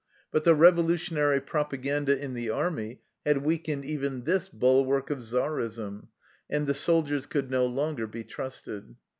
But the revolutionary propaganda in the army had weakened even this bulwark of czarism, and the soldiers could no longer be trusted.